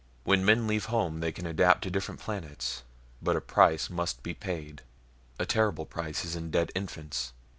"When men leave home they can adapt to different planets, but a price must be paid. A terrible price is in dead infants.